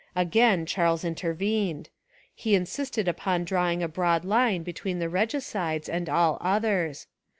Again Charles intervened. He insisted upon drawing a broad line between the regicides and all others.